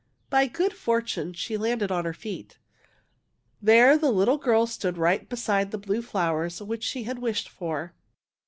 By good fortune she landed on her feet. There the little girl stood right beside the blue flowers which she had wished for.